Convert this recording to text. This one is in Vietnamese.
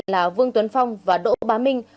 là vương tuấn phong và đỗ bá minh